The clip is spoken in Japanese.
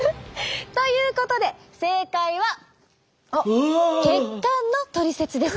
ということで正解は血管のトリセツです。